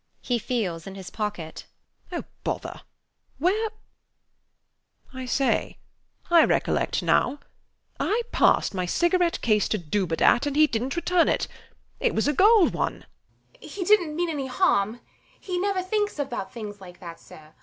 [He feels in his pockets]. Oh bother! Where ? [Suddenly remembering] I say: I recollect now: I passed my cigaret case to Dubedat and he didnt return it. It was a gold one. THE MAID. He didnt mean any harm: he never thinks about things like that, sir.